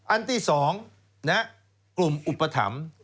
อันที่สองกลุ่มอุปถรรม